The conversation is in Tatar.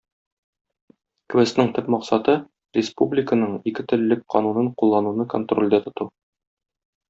Квестның төп максаты - республиканың икетеллелек канунын куллануны контрольдә тоту.